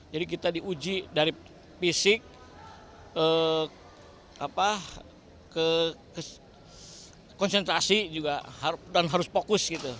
kita diuji dari fisik konsentrasi juga dan harus fokus